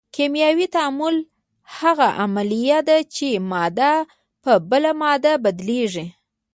کیمیاوي تعامل هغه عملیه ده چې ماده په بله ماده بدلیږي.